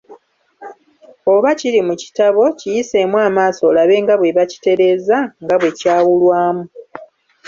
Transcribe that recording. Oba kiri mu kitabo, kiyiseemu amaaso, olabe nga bwe bakitereezezza nga bwe kyawulwamu.